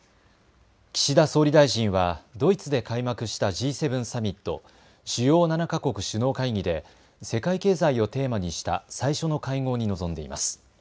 岸田総理大臣はドイツで開幕したＧ７サミット・主要７か国首脳会議で世界経済をテーマにした最初の会合に臨んでいます。